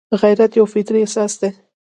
غیرت یو فطري احساس دی